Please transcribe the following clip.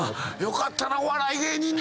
よかったなお笑い芸人で。